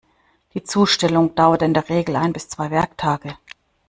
Die Zustellung dauert in der Regel ein bis zwei Werktage.